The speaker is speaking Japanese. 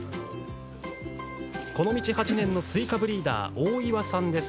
この道８年のスイカブリーダー大岩さんです。